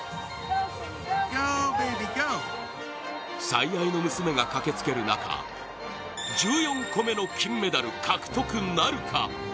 最愛の娘が駆けつける中１４個目の金メダル獲得なるか。